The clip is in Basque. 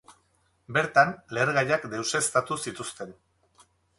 Bertan, lehergaiak deuseztatu zituzten.